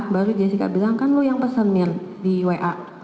baru jessica bilang kan elu yang pesenin di wa